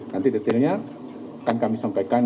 nanti detailnya akan kami sampaikan